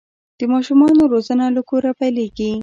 د ماشومانو روزنه له کوره پیلیږي.